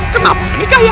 kenapa menikah ya